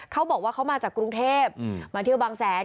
เขาบอกว่าเขามาจากกรุงเทพมาเที่ยวบางแสน